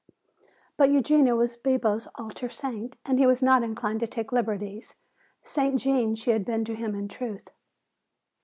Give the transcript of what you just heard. But Eugenia was Bibo's altar saint and he was not inclined to take liberties. Saint Gene she had been to him in truth!